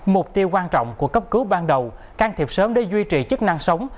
mục tiêu quan trọng của cấp cứu ban đầu can thiệp sớm để duy trì chức năng sống